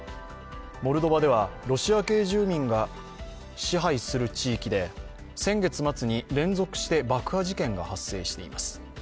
モルドバではロシア系住民が支配する地域で先月末に連続して爆破事件が発生しています。